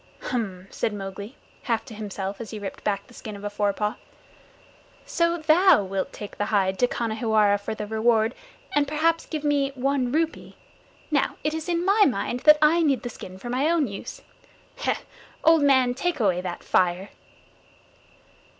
"Hum!" said Mowgli, half to himself as he ripped back the skin of a forepaw. "So thou wilt take the hide to Khanhiwara for the reward, and perhaps give me one rupee? Now it is in my mind that I need the skin for my own use. Heh! Old man, take away that fire!"